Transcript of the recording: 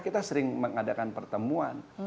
kita sering mengadakan pertemuan